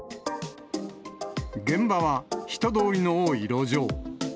現場は人通りの多い路上。